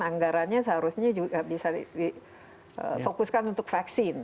anggarannya seharusnya juga bisa difokuskan untuk vaksin